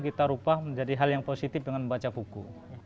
kita ubah menjadi hal yang positif dengan membaca buku